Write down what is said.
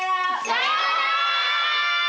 さようなら！